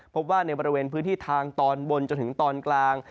พบว่าในบริเวณพื้นที่ทางตอนบนจนถึงตอนกลาง